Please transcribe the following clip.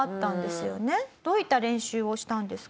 どういった練習をしたんですか？